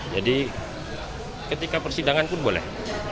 jadi ketika persidangan pun boleh